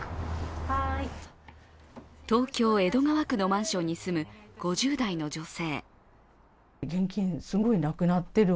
東京・江戸川区のマンションに住む５０代の女性。